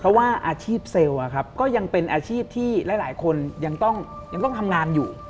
เพราะว่าอาชีพเซลล์ก็ยังเป็นอาชีพที่หลายคนยังต้องทำงานอยู่